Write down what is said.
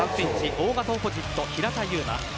大型オポジット・平田悠真。